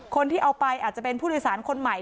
คนที่เอาไปอาจจะเป็นผู้โดยสารคนใหม่